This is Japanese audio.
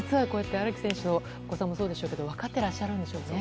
荒木選手のお子さんもそうでしょうけど分かっていらっしゃるんでしょうね。